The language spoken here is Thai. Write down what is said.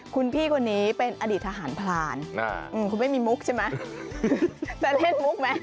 คุณพี่คนนี้เป็นอดีตทหารพลานคุณไม่มีมุกใช่ไหมจะเล่นมุกไหม